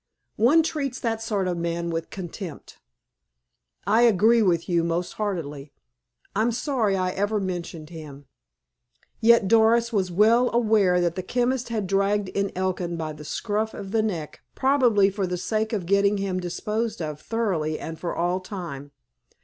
One treats that sort of man with contempt." "I agree with you most heartily. I'm sorry I ever mentioned him." Yet Doris was well aware that the chemist had dragged in Elkin by the scruff of the neck, probably for the sake of getting him disposed of thoroughly and for all time.